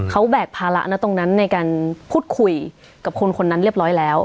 เขาแบกภาระนะตรงนั้นในการพูดคุยกับคนคนนั้นเรียบร้อยแล้ว